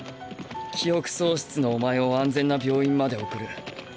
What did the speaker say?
記憶喪失のお前を安全な病院まで送る。